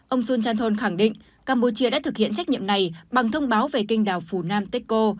ông sun chanthong khẳng định campuchia đã thực hiện trách nhiệm này bằng thông báo về kênh đảo phunanteco